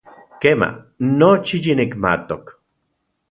Kema, nochi yinikmatok.